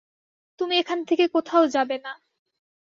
তুমি এখান থেকে কোথাও যাবে না।